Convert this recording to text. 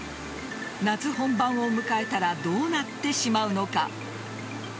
夏本番を迎えたらどうなってしまうのか。